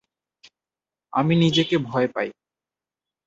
আমি নিজেকে ভয় পাই।